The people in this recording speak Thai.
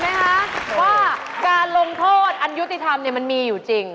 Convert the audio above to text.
เมื่อกี้ไหมครับว่าการลงโทษอายุติธรรมมันมีอยู่จริง